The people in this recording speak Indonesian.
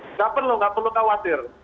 nggak perlu nggak perlu khawatir